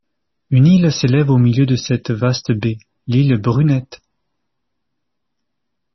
Une île s'élève au milieu de cette vaste baie, l'île Brunette.